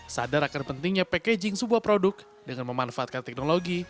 sadar akan pentingnya packaging sebuah produk dengan memanfaatkan teknologi